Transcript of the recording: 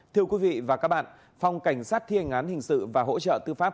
thưa quý vị và các bạn phòng cảnh sát thiên án hình sự và hỗ trợ tư pháp